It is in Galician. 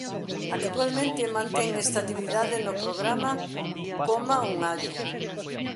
Actualmente mantén esta actividade no programa "Coma un allo".